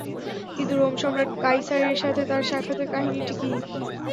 কিন্তু রোম সম্রাট কাইসারের সাথে তাঁর সাক্ষাতের কাহিনীটি কী?